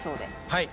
はい。